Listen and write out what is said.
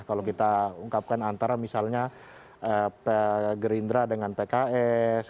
kalau kita ungkapkan antara misalnya gerindra dengan pks